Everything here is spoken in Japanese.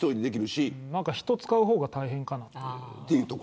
人を使う方が大変かな。